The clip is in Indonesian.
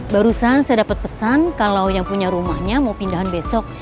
barusan saya dapat pesan kalau yang punya rumahnya mau pindahan besok